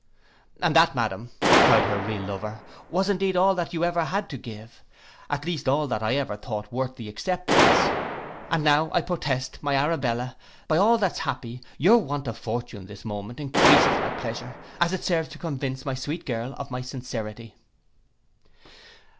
'And that, madam,' cried her real lover, 'was indeed all that you ever had to give; at least all that I ever thought worth the acceptance. And now I protest, my Arabella, by all that's happy, your want of fortune this moment encreases my pleasure, as it serves to convince my sweet girl of my sincerity.